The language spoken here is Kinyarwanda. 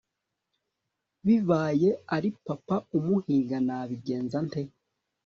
bibaye ari papa umuhiga nabigenza nte